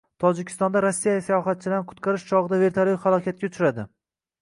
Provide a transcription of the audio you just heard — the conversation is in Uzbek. Tojikistonda rossiyalik sayohatchilarni qutqarish chog‘ida vertolyot halokatga uchradi